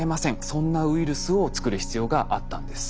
そんなウイルスを作る必要があったんです。